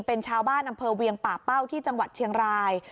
เป็นชาวบ้านอำเภอเวียงป่าเป้าที่จังหวัดเชียงราย